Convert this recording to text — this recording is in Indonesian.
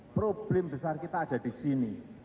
problem besar kita ada di sini